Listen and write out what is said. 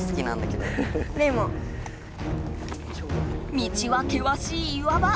道はけわしい岩場。